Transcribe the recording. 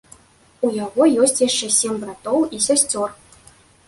У яго ёсць яшчэ сем братоў і сясцёр.